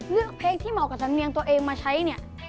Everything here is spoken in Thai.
เลือกเพลงที่เหมาะกับสำเนียงตัวเองมาใช้เนี่ย